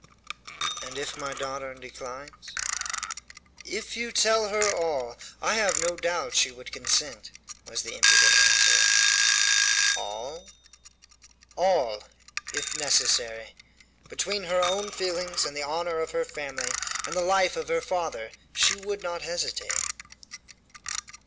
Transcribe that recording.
"And if my daughter declines?" "If you tell her all, I have no doubt she would consent," was the impudent answer. "All?" "All, if necessary. Between her own feelings and the honor of her family and the life of her father she would not hesitate."